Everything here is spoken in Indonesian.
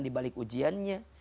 di balik ujiannya